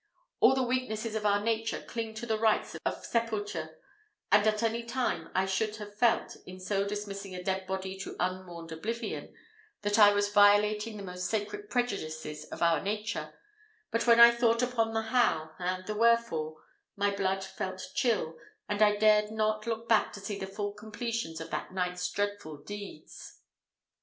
All the weaknesses of our nature cling to the rites of sepulture, and at any time I should have felt, in so dismissing a dead body to unmourned oblivion, that I was violating the most sacred prejudices of our nature; but when I thought upon the how, and the wherefore, my blood felt chill, and I dared not look back to see the full completions of that night's dreadful deeds.